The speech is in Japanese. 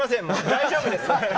大丈夫です！